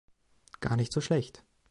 Gar nicht so schlecht.